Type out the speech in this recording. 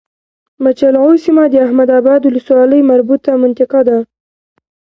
مچلغو سيمه د احمداباد ولسوالی مربوطه منطقه ده